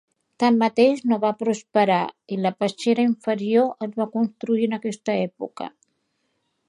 Tanmateix, no van prosperar i la passera inferior es va construir en aquesta època.